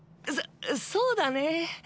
そそうだね。